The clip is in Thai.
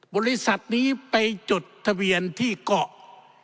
บริษัทนี้ไปจดทะเบียนที่เกาะ